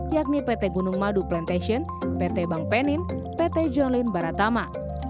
yakni pt gunung madu plantation pt bank penin pt johnlyn baratama